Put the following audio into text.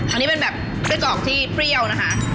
อันนี้เป็นแบบไส้กรอกที่เปรี้ยวนะคะ